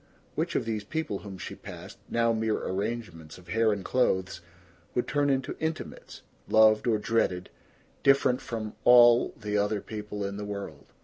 Which of these people whom she passed, now mere arrangements of hair and clothes, would turn into intimates, loved or dreaded, different from all the other people in the world?